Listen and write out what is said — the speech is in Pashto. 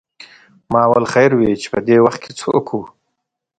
ما ویل خیر وې چې پدې وخت څوک و.